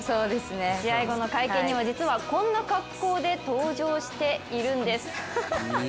試合後の会見にも、実はこんな格好で登場しているんです。